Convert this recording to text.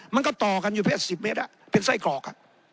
มันก็ต่อกันอยู่เพศ๑๐เมตรเป็นไส้กรอก